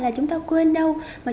với những lo toan bụng bề của mình